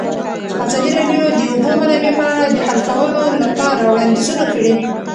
ازادي راډیو د د اوبو منابع په اړه د حل کولو لپاره وړاندیزونه کړي.